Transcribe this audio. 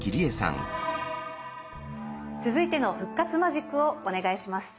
続いての復活マジックをお願いします。